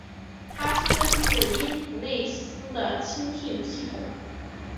他出身自因弗内斯的青训系统。